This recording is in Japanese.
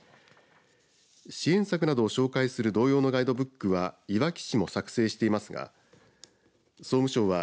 支援策などを紹介する同様のガイドブックはいわき市も作成していますが総務省は